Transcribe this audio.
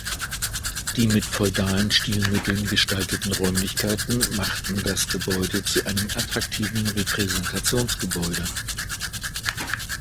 Die mit feudalen Stilmitteln gestalteten Räumlichkeiten machten das Gebäude zu einem attraktiven Repräsentationsgebäude.